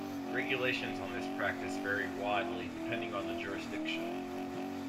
Regulations on this practice vary widely, depending on the jurisdiction.